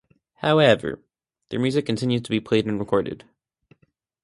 However, their music continued to be played and recorded.